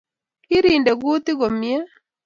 Kirinde kutik komyei